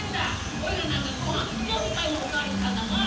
おいらなんかごはん１０ぱいもおかわりしたんだもん！